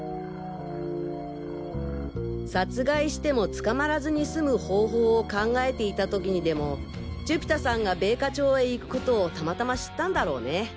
殺害しても捕まらずに済む方法を考えていた時にでも寿飛太さんが米花町へ行くことをたまたま知ったんだろうね。